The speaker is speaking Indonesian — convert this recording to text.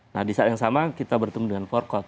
nah di saat yang sama kita bertemu dengan forkot